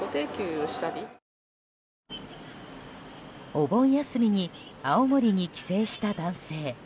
お盆休みに青森に帰省した男性。